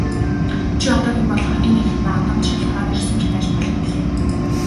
Чи одоогийн болох энэ их наадамд шалгараад ирсэн ч байж болох билээ.